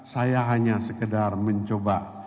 saya hanya sekedar mencoba